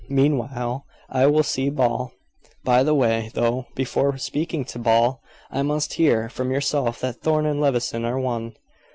Meanwhile, I will see Ball. By the way, though, before speaking to Ball, I must hear from yourself that Thorn and Levison are one."